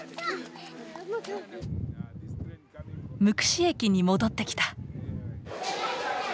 ムクシ駅に戻ってきた。